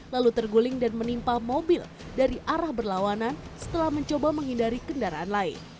lalu terguling dan menimpa mobil dari arah berlawanan setelah mencoba menghindari kendaraan lain